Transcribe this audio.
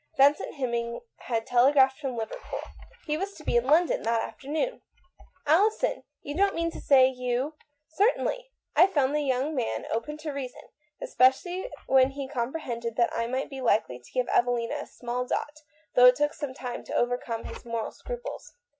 Vincent Hemming had tele graphed from Liverpool ; he was to be in London that afternoon. " Alison ! you don't mean to say you "" Certainly. I found the young man open to reason, especially when he comprehended that I might be likely to give Evelina a 146 THE WOMAN WAITS. 147 small dot, though it took some time to over come his moral scruples."